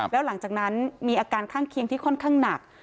แล้วหลังจากนั้นมีอาการข้างเคียงที่ค่อนข้างหนัก